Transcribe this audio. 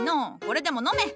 これでも飲め！